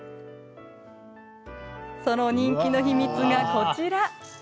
その人気の秘密がこちら。